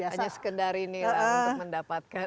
hanya sekedar ini lah untuk mendapatkan